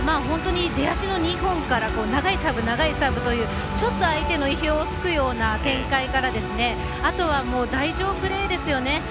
本当に出足の２本から長いサーブ、長いサーブというちょっと相手の意表をつくような展開からあとは台上プレーですよね。